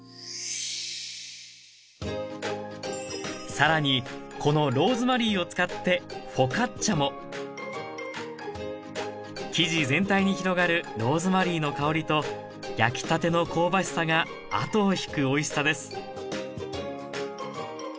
更にこのローズマリーを使ってフォカッチャも生地全体に広がるローズマリーの香りと焼きたての香ばしさが後を引くおいしさです